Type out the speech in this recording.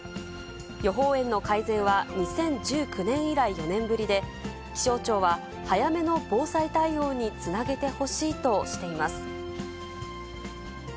予報円の改善は２０１９年以来４年ぶりで、気象庁は早めの防災対応につなげてほしいとしています。